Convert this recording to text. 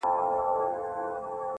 o دا دی د مرګ، و دایمي محبس ته ودرېدم .